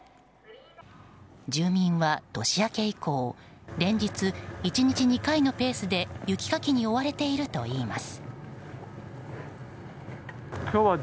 住民は年明け以降連日１日２回のペースで雪かきに追われているといいます。